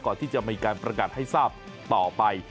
ก่อนที่จะมีการประกาศให้ทราบต่อไป